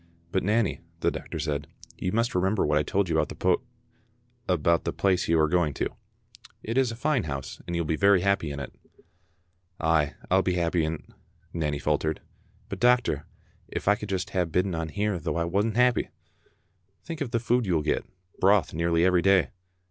"But Nanny," the doctor said, "you must remember what I told you about the poo —, about the place you are going to. It is a fine house, and you will be very happy in it." "Ay, I'll be happy in't," Nanny faltered, "but, doc tor, if I could just hae bidden on here though I wasna happy!" " Think of the food you will get ; broth nearly every day."